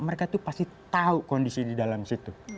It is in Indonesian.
mereka itu pasti tahu kondisi di dalam situ